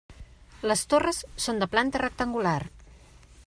Les torres són de planta rectangular.